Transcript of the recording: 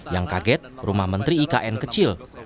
yang kaget rumah menteri ikn kecil